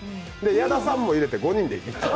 矢田さんも入れで５人で行きましょう。